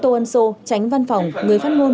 tô ân sô tránh văn phòng người phát ngôn